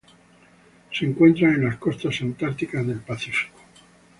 Se encuentran en las costas antárticas del Pacífico.